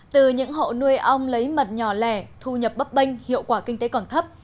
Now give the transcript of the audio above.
từ những hộ nuôi ong lấy mật nhỏ lẻ thu nhập bấp bênh hiệu quả kinh tế còn thấp